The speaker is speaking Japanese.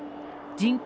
人口